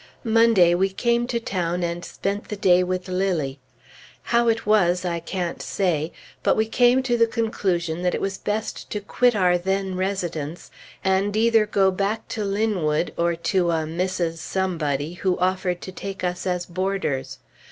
Monday we came to town and spent the day with Lilly. How it was, I can't say; but we came to the conclusion that it was best to quit our then residence, and either go back to Linwood or to a Mrs. Somebody who offered to take us as boarders.